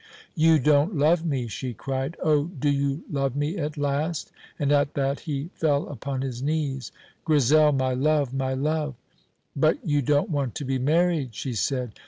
"You don't love me!" she cried. "Oh, do you love me at last!" And at that he fell upon his knees. "Grizel, my love, my love!" "But you don't want to be married," she said.